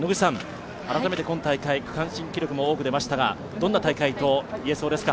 改めて今回大会、区間新記録も多く出ましたが、どんな大会と言えそうですか？